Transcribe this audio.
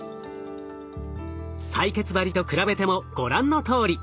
採血針と比べてもご覧のとおり。